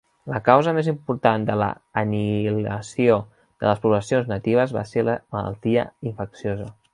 La causa més important de l'anihilació de les poblacions natives va ser la malaltia infecciosa.